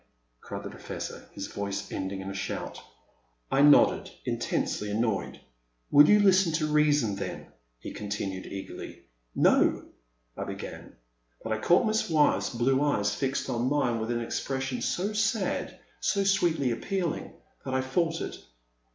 " cried the Professor, his voice ending in a shout. 366 The Man at the Next Table. I nodded, intensely annoyed. *• Will you listen to reason, then ?" he con tinued, eagerly. No, I began, but I caught MissWyeth*s blue eyes fixed on mine with an expression so sad, so sweetly appealing, that I fiadtered.